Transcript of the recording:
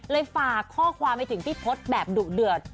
ฝากข้อความไปถึงพี่พศแบบดุเดือด